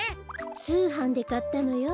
つうはんでかったのよ。